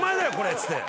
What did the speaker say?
っつって。